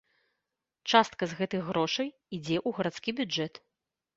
Частка з гэтых грошай ідзе ў гарадскі бюджэт.